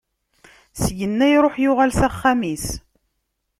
Syenna, iṛuḥ, yuɣal s axxam-is.